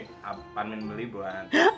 ini parmit beli buat